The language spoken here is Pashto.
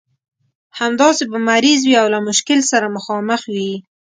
همداسې به مریض وي او له مشکل سره مخامخ وي.